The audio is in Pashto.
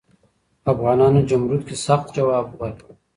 افغانانو جمرود کې سخت ځواب ورکړ.